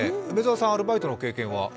梅澤さん、アルバイトの経験は？